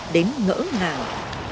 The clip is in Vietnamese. đến ngỡ ngàng